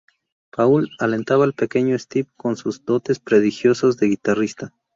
Paul alentaba al pequeño Steve con sus dotes prodigiosas de guitarrista.